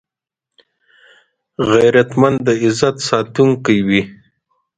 غیرتمند د عزت ساتونکی وي